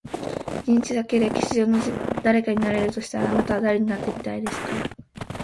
一日だけ、歴史上の誰かになれるとしたら、あなたは誰になってみたいですか？